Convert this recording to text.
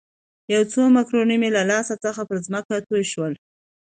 یو څه مکروني مې له لاس څخه پر مځکه توی شول.